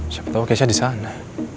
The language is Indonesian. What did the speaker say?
siapa tau keisha disana